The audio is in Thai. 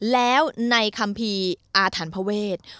แล้วในคัมภีร์อาถรรพเวท